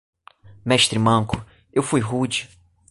Mestre manco, eu fui rude.